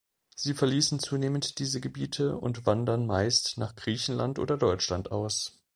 Sie verließen zunehmend diese Gebiete und wandern meist nach Griechenland oder Deutschland aus.